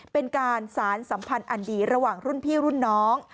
เป็นการสารสัมพันธ์อันดีระหว่างรุ่นพี่รุ่นน้อง